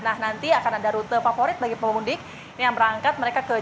nah nanti akan ada rute favorit bagi pemudik yang berangkat ke jakarta